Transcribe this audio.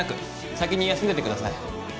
先に休んでてください。